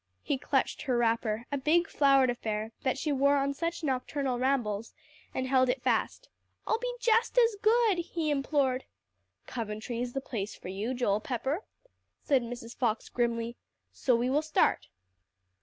He clutched her wrapper, a big, flowered affair that she wore on such nocturnal rambles, and held it fast. "I'll be just as good," he implored. "Coventry is the place for you, Joel Pepper," said Mrs. Fox grimly; "so we will start."